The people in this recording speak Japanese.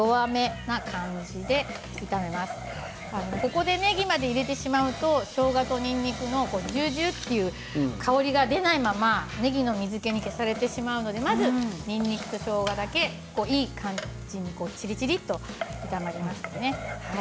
ここでねぎまで入れてしまうとしょうがとにんにくのジュージューという香りが出ないまま、ねぎの水けに消されてしまうのでまず、にんにくとしょうがだけいい感じにちりちりと炒めますね。